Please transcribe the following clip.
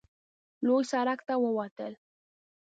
لوی سړک ته ووتل.